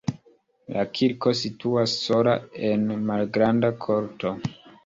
La kirko situas sola en malgranda korto.